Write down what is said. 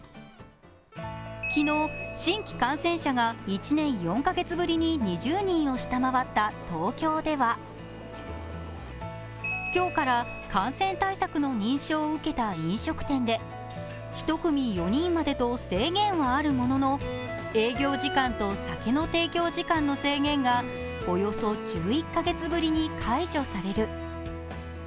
昨日、新規感染者が１年４カ月ぶりに２０人を下回った東京では今日から感染対策の認証を受けた飲食店で１組４人までと制限はあるものの、営業時間と酒の提供時間の制限がおよそ１１カ月ぶりに解除される。